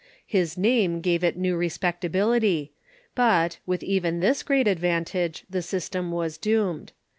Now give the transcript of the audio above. His name gave it new respectability ; but, with even this great advantage, the system was doomed.